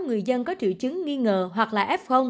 người dân có triệu chứng nghi ngờ hoặc là f